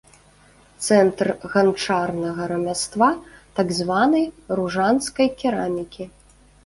Цэнтр ганчарнага рамяства, так званай ружанскай керамікі.